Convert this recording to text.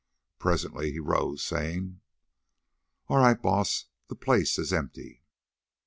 Presently he rose, saying: "All right, Baas, the place is empty."